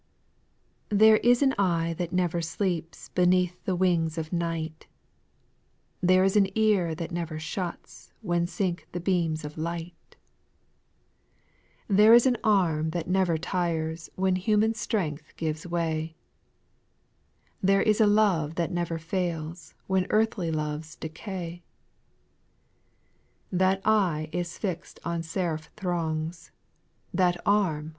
npHERE is an eye that never sleeps JL Beneath the wing of night ; There is an ear that never shuts, When siDk the beams of light. SPIRITUA L SONGS, 106 2. There is an arm that never tires, When human strength gives way ; There is a love that never fails, When earthly loves decay. 3. That eye is fix'd on seraph throngs ; That arm